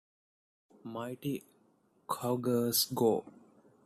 Mighty Cougars go!